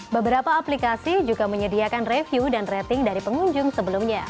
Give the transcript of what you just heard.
beberapa aplikasi juga menyediakan review dan rating dari pengunjung sebelumnya